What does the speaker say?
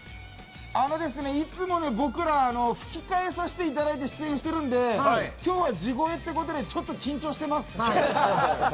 いつも、僕ら吹き替えで出演してるので今日は地声ということでちょっと緊張してます。